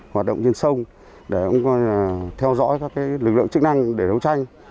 hoạt động trên sông để theo dõi các lực lượng chức năng để đấu tranh